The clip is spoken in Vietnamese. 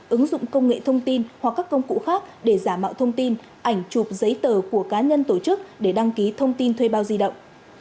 ứng dụng công nghệ thông tin hoặc các công cụ khác để giả mạo thông tin ảnh chụp giấy tờ của cá nhân tổ chức để đăng ký thông tin thuê bao di động